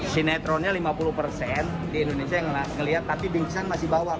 sinetronnya lima puluh persen di indonesia yang ngelihat tapi bingkisan masih bawah